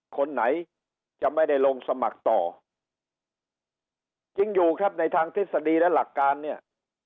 คนไหนจะไม่ได้ลงสมัครต่อจริงอยู่ครับในทางทฤษฎีและหลักการเนี่ย